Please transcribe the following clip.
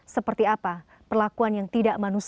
seperti apa perlakuan yang tidak manusiawi